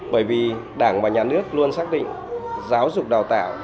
bởi vì đảng và nhà nước luôn xác định giáo dục đào tạo